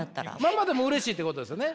「ママ」でもうれしいってことですね？